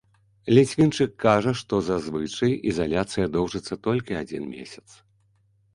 Ліцвінчык кажа, што зазвычай ізаляцыя доўжыцца толькі адзін месяц.